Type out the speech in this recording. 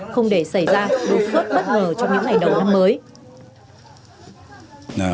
không để xảy ra đột xuất bất ngờ trong những ngày